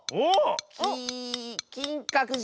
ききんかくじ！